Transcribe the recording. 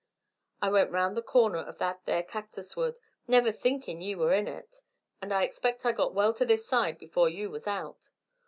I went round the corner of that there cactus wood, never thinkin' ye were in it, and I expect I got well to this side before you was out.